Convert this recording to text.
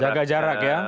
jaga jarak ya